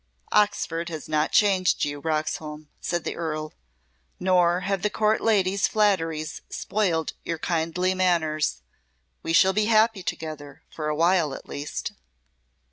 "Oxford has not changed you, Roxholm," said the Earl. "Nor have the Court ladies' flatteries spoiled your kindly manners. We shall be happy together, for awhile at least."